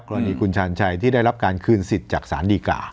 กรณีคุณชาญชัยที่ได้รับการคืนสิทธิ์จากสารดีกา